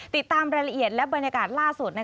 ติดตามรายละเอียดและบรรยากาศล่าสุด